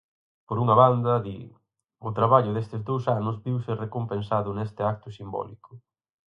Por unha banda, di, "o traballo destes dous anos viuse recompensado nese acto simbólico".